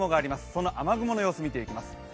その雨雲の様子を見ていきます。